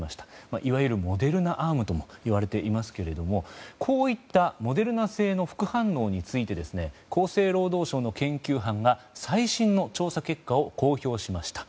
いわゆるモデルナ・アームといわれていますけれどもこういったモデルナ製の副反応について厚生労働省の研究班が最新の調査結果を公表しました。